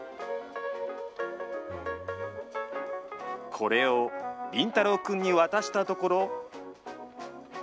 これを凛太朗君に渡したところ。